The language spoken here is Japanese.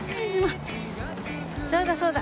そうだそうだ。